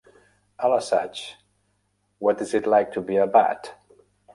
A l'assaig "What is it like to be a bat?"